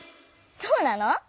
そうなの？